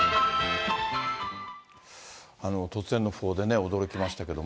突然の訃報でね、驚きましたけども。